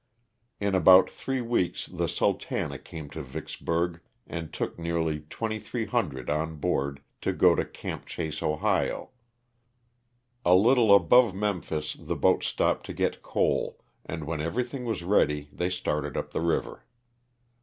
In about three weeks the " Sultana " came to Vicksburg and took nearly 2,300 on board to go to " Camp Chase," Ohio. A little above Memphis the boat stopped to get coal, and when everything was ready they started up the river.